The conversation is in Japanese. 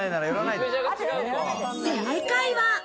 正解は。